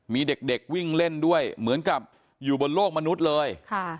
มีเด็กวิ่งเล่นด้วยเหมือนกับอยู่บนโลกมนุษย์เลย